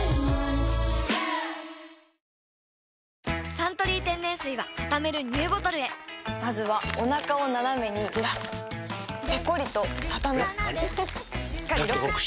「サントリー天然水」はたためるＮＥＷボトルへまずはおなかをナナメにずらすペコリ！とたたむしっかりロック！